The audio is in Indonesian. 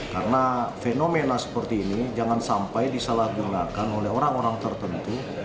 karena fenomena seperti ini jangan sampai disalahgunakan oleh orang orang tertentu